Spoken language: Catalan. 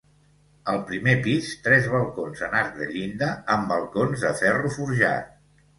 Al primer pis, tres balcons en arc de llinda amb balcons de ferro forjat.